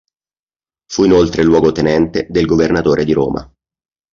Fu inoltre luogotenente del governatore di Roma.